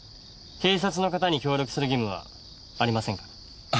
警察の方に協力する義務はありませんから。